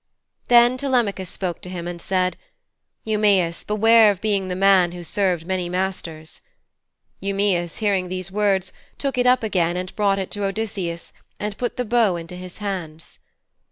Then Telemachus spoke to him and said, 'Eumæus, beware of being the man who served many masters.' Eumæus, hearing these words, took it up again and brought it to Odysseus, and put the bow into his hands.